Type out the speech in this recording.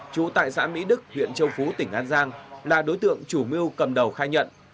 chủ tài sản mỹ đức huyện châu phú tỉnh an giang là đối tượng chủ mưu cầm đầu khai nhận